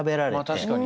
確かに。